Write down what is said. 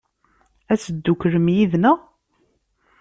Ad tedduklem yid-neɣ?